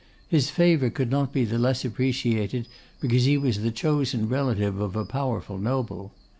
His favour could not be the less appreciated because he was the chosen relative of a powerful noble.